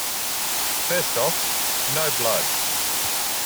First off, no blood.